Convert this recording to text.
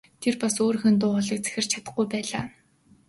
Тэр бас өөрийнхөө дуу хоолойг захирч чадахгүй байлаа.